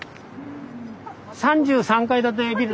３３階建てビル。